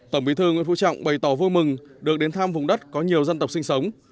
tổng bí thư nguyễn phú trọng bày tỏ vui mừng được đến thăm vùng đất có nhiều dân tộc sinh sống